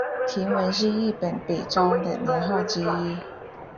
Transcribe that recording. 延文是日本北朝的年号之一。